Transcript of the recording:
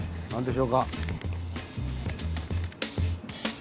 何でしょうか。